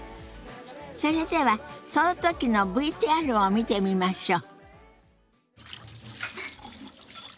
それではその時のＶＴＲを見てみましょう。